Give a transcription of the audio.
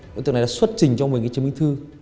đối tượng này đã xuất trình cho mình cái chứng minh thư